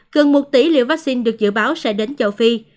gần một tỷ liệu vắc xin được dự báo sẽ đến châu phi